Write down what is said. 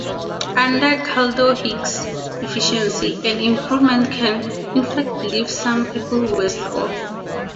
Under Kaldor-Hicks efficiency, an improvement can in fact leave some people worse off.